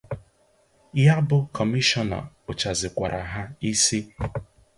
Ya bụ Kọmishọna kpụchazịkwara ha isi